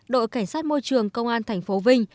đội cảnh sát môi trường công an thành phố vinh